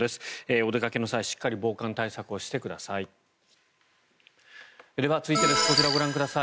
お出かけの際、しっかり防寒対策をしてください。